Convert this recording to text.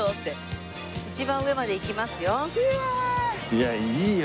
いやいいよ。